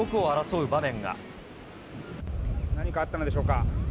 何かあったのでしょうか。